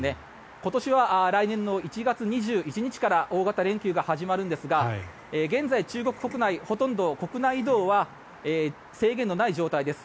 今年は来年の１月２１日から大型連休が始まるんですが現在、中国国内ほとんど国内移動は制限のない状態です。